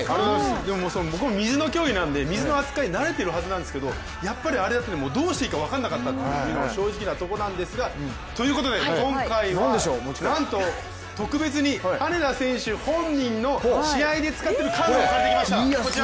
僕、水の競技なんで水に慣れてるはずなんですけど、やっぱりどうしていいか分からなかったというのが正直なところなんですがということで、今回はなんと特別に羽根田選手本人の試合で使ってるカヌーを借りてきました。